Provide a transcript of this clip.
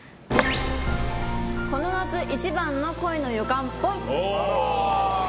この夏一番の恋の予感っぽい。